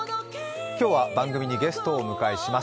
今日は番組にゲストをお迎えします。